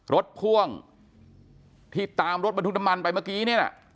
พ่วงที่ตามรถบรรทุกน้ำมันไปเมื่อกี้เนี่ยนะ